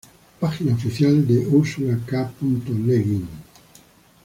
Página oficial de Ursula K. Le Guin